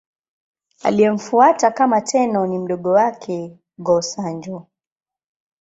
Aliyemfuata kama Tenno ni mdogo wake, Go-Sanjo.